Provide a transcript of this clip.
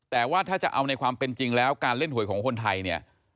แต่ว่าถ้าจะเอาในความเป็นจริงแล้วการเล่นหวยของคนไทยเนี่ย